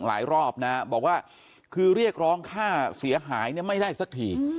รอบนะบอกว่าคือเรียกร้องค่าเสียหายเนี่ยไม่ได้สักที